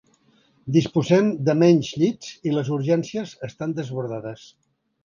“Disposem de menys llits i les urgències estan desbordades”.